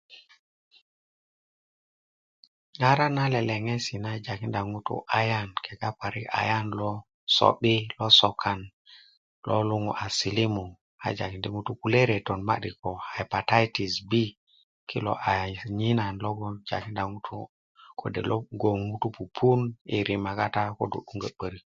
ŋara na leleŋesi na jakinda ŋutu ayan kega parik ayan lo so'bi i lo lo sokan lo luŋu a silimu a jakindi ŋutu kulye retö madi ko epatitis b kilo a ayina lo jakinda ŋutu kode logon ŋutu pupun i rima kata kodo 'dungö 'börik